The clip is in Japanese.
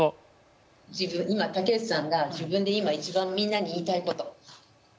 今竹内さんが自分で今一番みんなに言いたいこと。